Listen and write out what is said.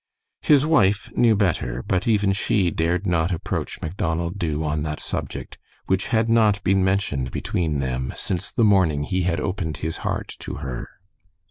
His wife knew better, but even she dared not approach Macdonald Dubh on that subject, which had not been mentioned between them since the morning he had opened his heart to her.